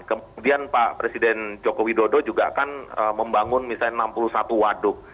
kemudian pak presiden joko widodo juga kan membangun misalnya enam puluh satu waduk